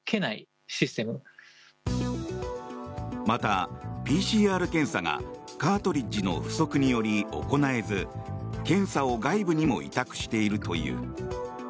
また、ＰＣＲ検査がカートリッジの不足により行えず検査を外部にも委託しているという。